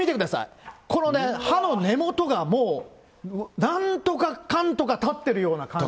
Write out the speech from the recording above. これね、歯の根元がもうなんとかかんとか立ってるような感じで。